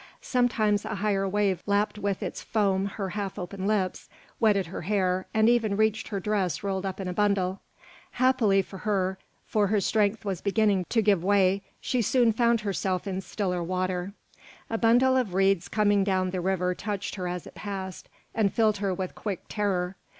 Sometimes a higher wave lapped with its foam her half open lips, wetted her hair, and even reached her dress rolled up in a bundle. Happily for her, for her strength was beginning to give way, she soon found herself in stiller water. A bundle of reeds coming down the river touched her as it passed, and filled her with quick terror.